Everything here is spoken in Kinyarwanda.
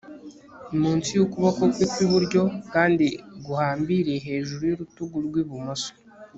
munsi y'ukuboko kwe kw'iburyo kandi guhambiriye hejuru y'urutugu rw'ibumoso